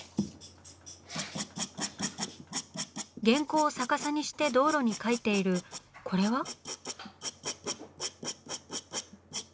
原稿を逆さにして道路に描いているこれは？